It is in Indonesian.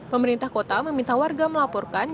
pemerintah kota meminta warga melaporkan